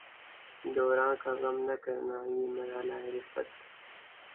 دوراں کا غم نہ کرنا، یہ مرحلہ ء رفعت